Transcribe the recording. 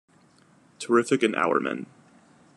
Terrific and Hourman.